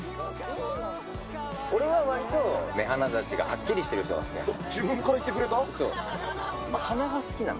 俺はわりと、目鼻立ちがはっきりしてる人が好きなの。